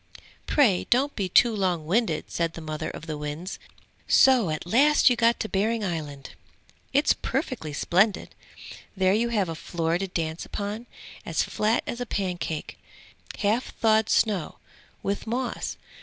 'Pray don't be too long winded,' said the mother of the winds. 'So at last you got to Behring Island!' 'It's perfectly splendid! There you have a floor to dance upon, as flat as a pancake, half thawed snow, with moss.